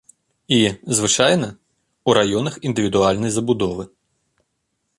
І, звычайна, у раёнах індывідуальнай забудовы.